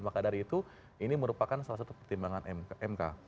maka dari itu ini merupakan salah satu pertimbangan mk